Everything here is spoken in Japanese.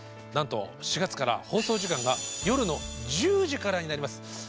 なんと、４月から放送時間が夜の１０時からになります。